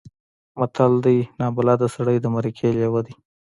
متل دی: نابلده سړی د مرکې لېوه دی.